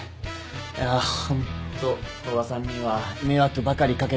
いやホント古賀さんには迷惑ばかり掛けて。